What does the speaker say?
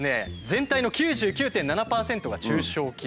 全体の９９．７％が中小企業と。